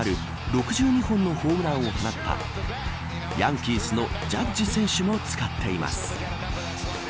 ６２本のホームランを放ったヤンキースのジャッジ選手も使っています。